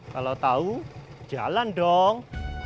kalau tau jalan dong